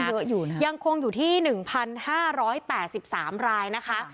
ก็ยังเยอะอยู่นะยังคงอยู่ที่หนึ่งพันห้าร้อยแปดสิบสามรายนะคะ